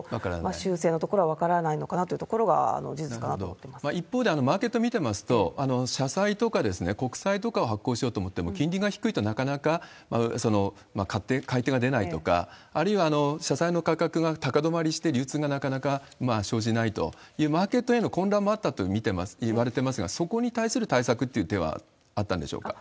修正のところは分からないのかなというところは、事実かなと一方で、マーケット見てますと、社債とか国債とかを発行しようと思っても、金利が低いとなかなか買い手が出ないとか、あるいは社債の価格が高止まりして流通がなかなか生じないという、マーケットへの混乱もあったといわれてますが、そこに対する対策っていう手はあったんでしょうか？